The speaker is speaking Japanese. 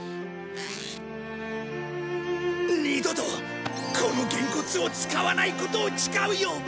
二度とこのゲンコツを使わないことを誓うよ！